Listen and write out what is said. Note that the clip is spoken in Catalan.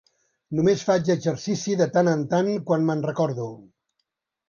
Només faig exercici de tant en tant, quan me'n recordo.